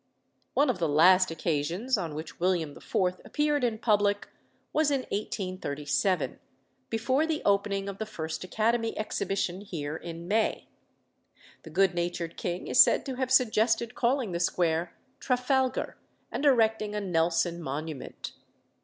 One of the last occasions on which William IV. appeared in public was in 1837, before the opening of the first Academy Exhibition here in May. The good natured king is said to have suggested calling the square "Trafalgar," and erecting a Nelson monument.